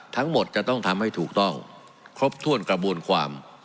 ทั้งหมดจะต้องทำให้ถูกต้องครบถ้วนกระบวนความ